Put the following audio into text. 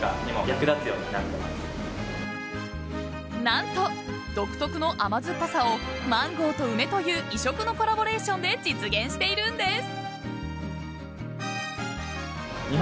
何と、独特の甘酸っぱさをマンゴーと梅という異色のコラボレーションで実現しているんです。